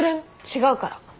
違うから。